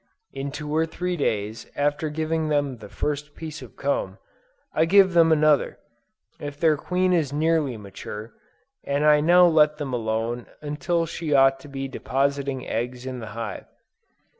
In two or three days after giving them the first piece of comb, I give them another, if their queen is nearly mature, and I now let them alone until she ought to be depositing eggs in the hive.